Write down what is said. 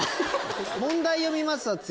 問題読みますわ次。